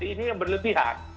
ini yang berlebihan